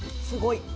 すごい！